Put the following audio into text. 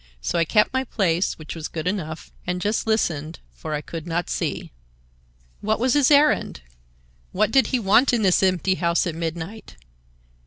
So I kept my place, which was good enough, and just listened, for I could not see. "What was his errand? What did he want in this empty house at midnight?